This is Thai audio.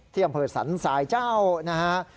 ที่อำเภษศรรย์สายเจ้านะฮะ